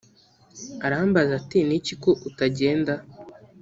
arambaza ati ni iki ko utagenda